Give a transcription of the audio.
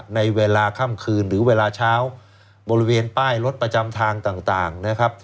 ในเวลาค่ำคืนหรือเวลาเช้าบริเวณป้ายรถประจำทางต่างนะครับ